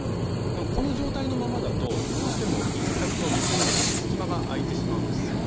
でもこの状態のままだとどうしても輪郭と２周めの間に隙間が空いてしまうんですね。